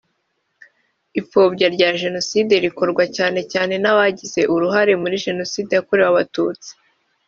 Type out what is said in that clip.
ipfobya rya jenoside rikorwa cyane cyane n’abagize uruhare muri jenoside yakorewe abatutsi